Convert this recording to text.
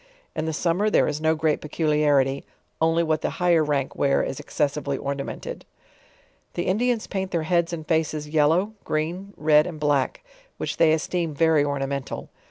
In the summer there is no great peculiarity, only what the higher rank wear is excessively ornamented. The Indians paint their heads and faces yellow, green, red and black; which they esioem very ornamental.